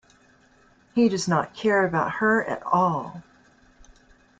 He does not care about her at all.